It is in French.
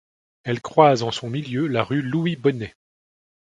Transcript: Elle croise en son milieu la rue Louis-Bonnet.